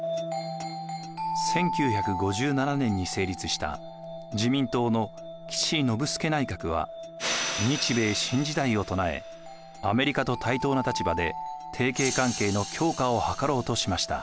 １９５７年に成立した自民党の岸信介内閣は日米新時代を唱えアメリカと対等な立場で提携関係の強化を図ろうとしました。